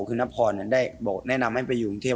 คือนพรได้บอกแนะนำให้ไปอยู่กรุงเทพ